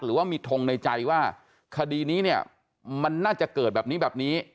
หรือว่ามีทงในใจว่าคดีนี้เนี่ยมันน่าจะเกิดแบบนี้แบบนี้